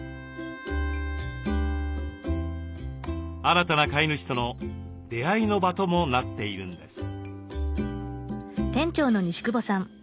新たな飼い主との出会いの場ともなっているんです。